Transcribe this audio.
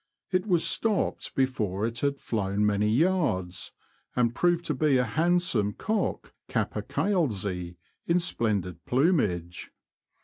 It was stopped before it had flown many yards, and proved to be a handsome cock Capercailzie in splendid plumage.